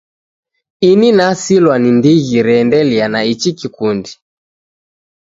Ini nasilwa ni ndighi reendelea na ichi kikundi